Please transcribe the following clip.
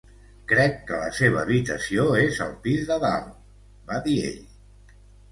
"Crec que la seva habitació és al pis de dalt", va dir ell.